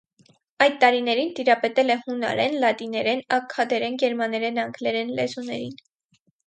Այդ տարիներին տիրապետել է հունարեն, լատիներեն, աքքադերեն, գերմաներեն, անգլերեն լեզուներին։